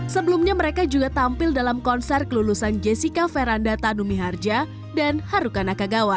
sebelumnya mereka juga tampil dalam konser kelulusan jessica feranda tanumi harja dan harukana kagawa